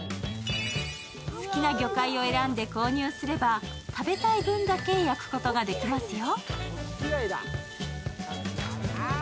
好きな魚介を選んで購入すれば食べたい分だけ焼くことができますよ。